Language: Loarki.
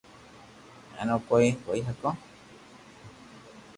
ھي ھون ڪوئي ڪئي ھگو